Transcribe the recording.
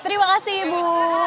terima kasih ibu